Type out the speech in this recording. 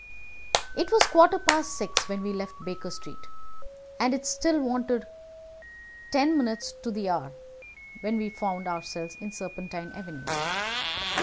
It was a quarter past six when we left Baker Street, and it still wanted ten minutes to the hour when we found ourselves in Serpentine Avenue.